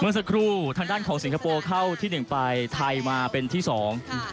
เมื่อสักครู่ทางด้านของสิงคโปร์เข้าที่๑ไปไทยมาเป็นที่๒นะฮะ